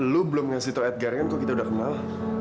lo belum ngasih tau edgar kan kok kita udah kenal